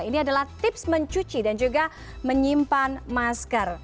ini adalah tips mencuci dan juga menyimpan masker